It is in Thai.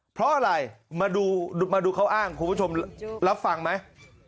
เพราะอะไรมาดูเขาอ้างคุณผู้ชมรับฟังไหม